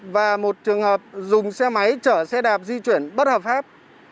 và một trường hợp dùng xe máy chở xe đạp di chuyển bất hợp pháp